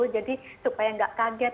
jadi supaya nggak kaget